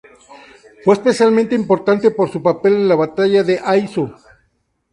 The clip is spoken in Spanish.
Fue especialmente importante por su papel en la Batalla de Aizu.